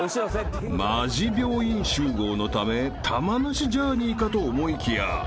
［マジ病院集合のため玉なしジャーニーかと思いきや］